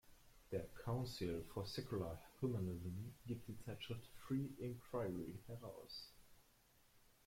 Der Council for Secular Humanism gibt die Zeitschrift" Free Inquiry" heraus.